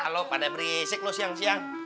lu pada berisik lu siang siang